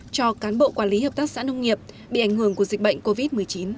cho cán bộ quản lý hợp tác xã nông nghiệp bị ảnh hưởng của dịch bệnh covid một mươi chín